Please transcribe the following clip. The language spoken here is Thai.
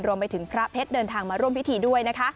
รวมไปถึงพระเพชรเดินทางมาร่วมพิธีด้วยนะคะ